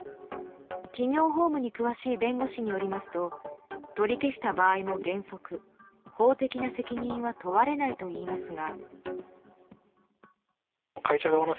企業法務に詳しい弁護士によりますと取り消した場合も、原則法的な責任は問われないといいますが。